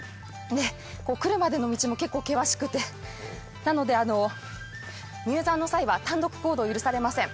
来までの道も結構険しくて、なので入山する際は単独行動、許されません。